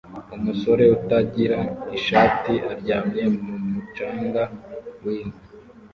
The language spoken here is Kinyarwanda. Umusore utagira ishati aryamye mu mucanga n'inka